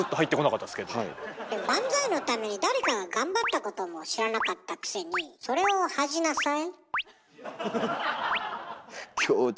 バンザイのために誰かが頑張ったことも知らなかったくせにそれを恥じなさい。